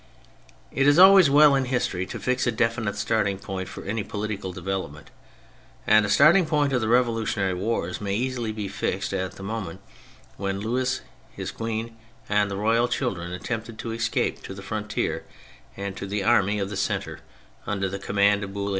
It is always well in history to fix a definite starting point for any political development, and the starting point of the revolutionary wars may easily be fixed at the moment when Louis, his queen and the royal children attempted to escape to the frontier and to the Army of the Centre under the command of Bouille.